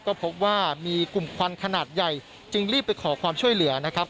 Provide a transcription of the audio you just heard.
ก็พบว่ามีกลุ่มควันขนาดใหญ่จึงรีบไปขอความช่วยเหลือนะครับ